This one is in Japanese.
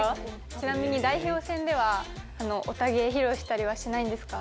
ちなみに代表戦では、オタ芸披露したりとかしないんですか？